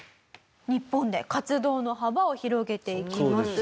日本で活動の幅を広げていきます。